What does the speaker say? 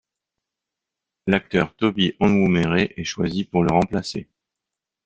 L'acteur Toby Onwumere est choisi pour le remplacer.